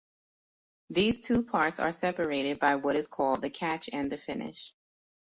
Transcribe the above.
These two parts are separated by what is called the "catch" and the "finish".